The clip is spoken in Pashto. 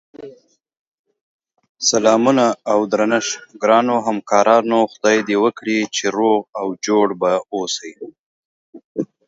سلامونه اودرنښت ګراونوهمکارانو خدای دی وکړی چی روغ اوجوړبه اووسی